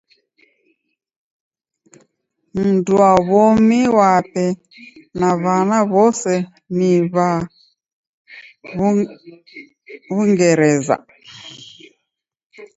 Mnduwaw'omi wape na w'ana w'ose ni w'a w'ungereza.